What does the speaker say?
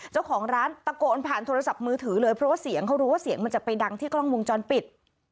เจ้าของร้านตะโกนผ่านโทรศัพท์มือถือเลยเพราะว่าเสียงเขารู้ว่าเสียงมันจะไปดังที่กล้องวงจรปิด